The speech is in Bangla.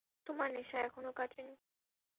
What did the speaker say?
তোমার নেশা এখনও কাটেনি।